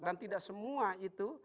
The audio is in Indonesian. dan tidak semua itu